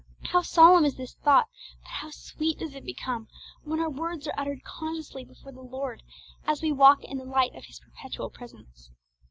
How solemn is this thought, but how sweet does it become when our words are uttered consciously before the Lord as we walk in the light of His perpetual presence!